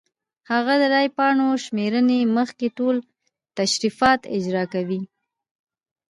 هغه د رای پاڼو تر شمېرنې مخکې ټول تشریفات اجرا کوي.